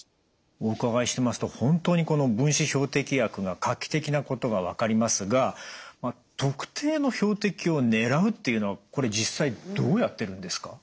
お伺いしてますと本当にこの分子標的薬が画期的なことが分かりますが特定の標的を狙うっていうのはこれ実際どうやってるんですか？